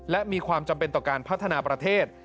และมีความจำเป็นต่อการพัฒนาประเทศ